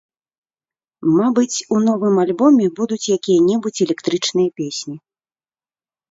Мабыць, у новым альбоме будуць якія-небудзь электрычныя песні.